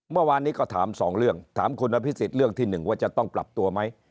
เมื่อวานนี้ก็ถามสองเรื่องถามคุณอภิษฎเรื่องที่๑ว่าจะต้องปรับตัวไหม